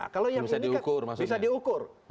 kalau yang ini kan bisa diukur